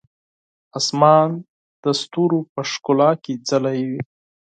اسمان د ستورو په ښکلا کې ځلوي.